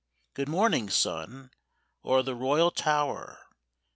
Good morning, sun, o'er the royal tower!